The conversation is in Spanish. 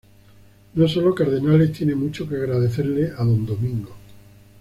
No solo Cardenales tiene mucho que agradecerle a Don Domingo.